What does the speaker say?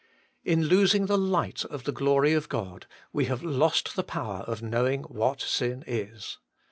In losing the light of the glory of God, we have lost the power of knowing what sin is.